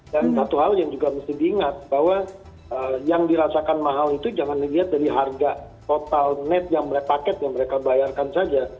dan satu hal yang juga mesti diingat bahwa yang dirasakan mahal itu jangan dilihat dari harga total net yang mereka paket yang mereka bayarkan saja